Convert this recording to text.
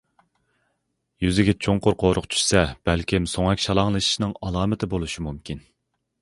يۈزىگە چوڭقۇر قورۇق چۈشسە، بەلكىم سۆڭەك شالاڭلىشىشنىڭ ئالامىتى بولۇشى مۇمكىن.